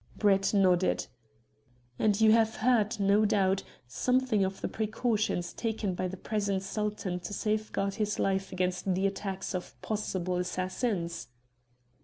Brett nodded. "And you have heard, no doubt, something of the precautions taken by the present Sultan to safeguard his life against the attacks of possible assassins?"